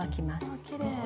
わきれい。